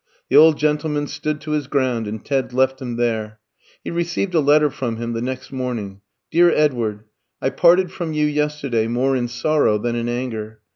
The old gentleman stood to his ground, and Ted left him there. He received a letter from him the next morning: "DEAR EDWARD, I parted from you yesterday more in sorrow than in anger.